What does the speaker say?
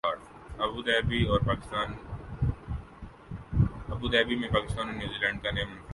Abu Dhabi میں پاکستان اور New Zealand کا نیا منفرد ریکارڈ